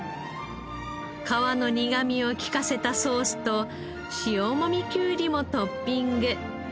皮の苦みを利かせたソースと塩もみきゅうりもトッピング。